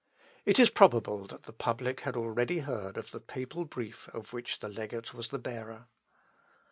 It is probable that the public had already heard of the papal brief of which the legate was the bearer.